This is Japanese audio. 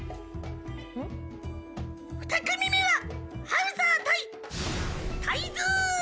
二組目はハウザー対タイズー！